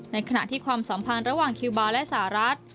ขณะที่ความสัมพันธ์ระหว่างคิวบาร์และสหรัฐ